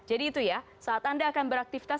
jadi itu ya saat anda akan beraktivitas